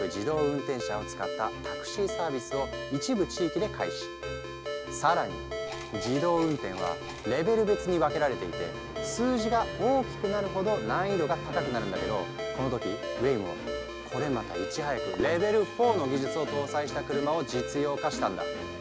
この開発競争をリードしたのは更に自動運転はレベル別に分けられていて数字が大きくなるほど難易度が高くなるんだけどこの時ウェイモはこれまたいち早くレベル４の技術を搭載した車を実用化したんだ。